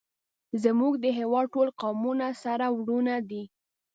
زمونږ د هیواد ټول قومونه سره ورونه دی